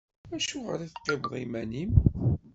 Acuɣeṛ i teqqimeḍ iman-im?